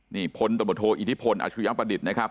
นี่พลตบโทษอิทธิพลอชุยังประดิษฐ์นะครับ